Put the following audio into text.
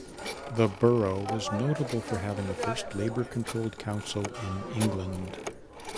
The borough was notable for having the first Labour controlled council in England.